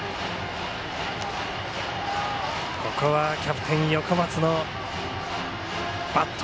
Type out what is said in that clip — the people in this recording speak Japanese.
ここはキャプテン、横松のバット。